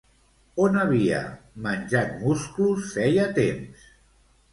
On havia menjat musclos feia temps?